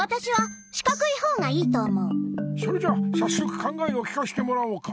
それじゃさっそく考えを聞かせてもらおうか。